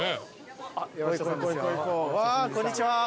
わこんにちは。